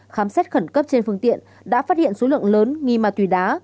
khám xét khẩn cấp trên phương tiện đã phát hiện số lượng lớn nghi ma túy đá